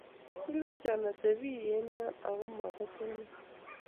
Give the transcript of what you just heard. Kilenchon atebii eng' yoe aku matatonon